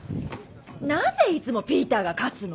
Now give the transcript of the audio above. なぜいつもピーターが勝つの？